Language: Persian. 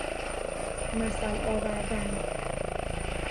مثل آوردن